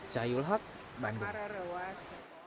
syahyul haq bandung